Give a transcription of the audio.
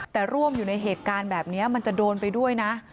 แต่ร่วมอยู่ในเหตุการณ์แบบนี้มันจะโดนไปด้วยนะ